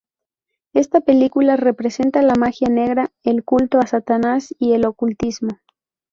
Esta película representa la magia negra, el culto a Satanás y el ocultismo.